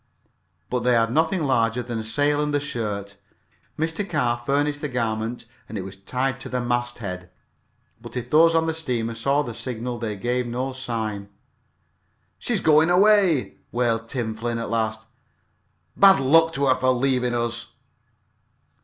But they had nothing larger than the sail and a shirt. Mr. Carr furnished the garment and it was tied to the masthead. But if those on the steamer saw the signal they gave no sign. "She's goin' away!" wailed Tim Flynn at last. "Bad luck to her fer lavin' us!"